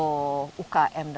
karena khususnya dari level mikro